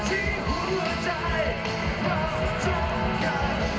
ฉันยังคงกลัวไหลยังกลัวดียังเชื่อ